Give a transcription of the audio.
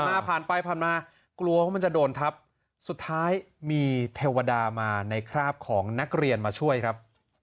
ผ่านไปผ่านมากลัวว่ามันจะโดนทับสุดท้ายมีเทวดามาในคราบของนักเรียนมาช่วยครับ